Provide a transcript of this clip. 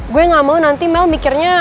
gue gak mau nanti mel mikirnya